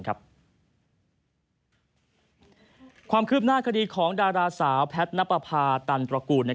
ความคืบหน้าคดีของดาราสาวแพทย์นับประพาตันตระกูล